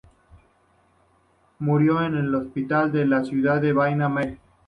Murió en el hospital de la ciudad de Baia Mare.